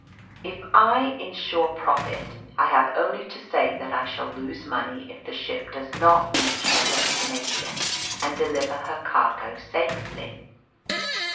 If I insure profit I have only to say that I shall lose money if the ship does not reach her destination and deliver her cargo safely.